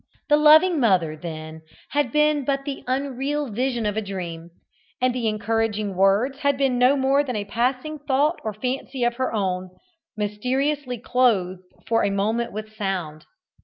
The loving mother, then, had been but the unreal vision of a dream, and the encouraging words had been no more than a passing thought or fancy of her own, mysteriously clothed for a moment with sound.